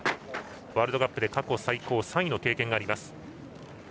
ワールドカップで過去最高３位の経験があります。